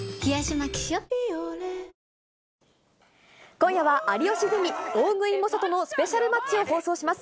今夜は有吉ゼミ、大食い猛者とのスペシャルマッチを放送します。